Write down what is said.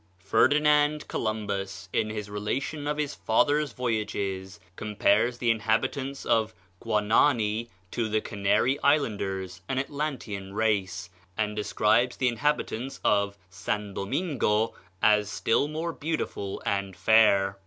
Ferdinand Columbus, in his relation of his father's voyages, compares the inhabitants of Guanaani to the Canary Islanders (an Atlantean race), and describes the inhabitants of San Domingo as still more beautiful and fair.